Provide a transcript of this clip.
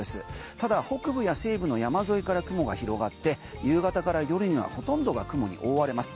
ただ、北部や西部の山沿いから雲が広がって夕方から夜にはほとんどが雲に覆われます。